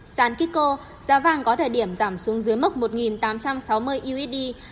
sản kiko giá vàng có thời điểm giảm xuống dưới mức một tám trăm sáu mươi usd